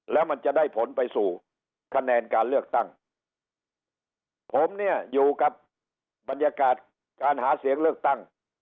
แล้วมันจะได้ผลไปสู่คะแนนการเลือกตั้งผมเนี่ยอยู่กับบรรยากาศการหาเสียงเลือกตั้ง